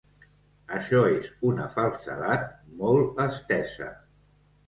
Això és una falsedat molt estesa.